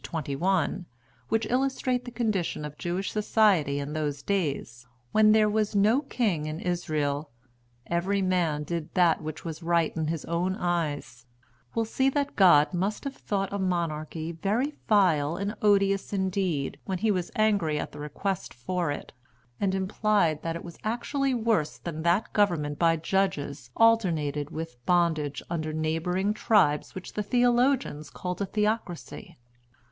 to xxi. which illustrate the condition of Jewish society in those days when "there was no king in Israel: every man did that which was right in his own eyes," will see that God must have thought a Monarchy very vile and odious indeed when he was angry at the request for it, and implied that it was actually worse than that government by Judges alternated with bondage under neighboring tribes which the theologians call a theocracy.